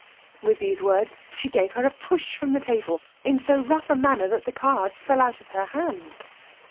With these words she gave her a push from the table in so rough a manner, that the cards fell out of her hand.